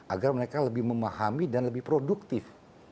agar mereka lebih memahami dan lebih produktif